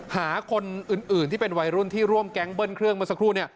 หาคนอื่นที่เป็นวัยรุ่นที่ร่วมแก๊งเบิ้ลเครื่องเมื่อสักครู่